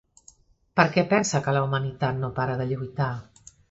Per què pensa que la humanitat no para de lluitar?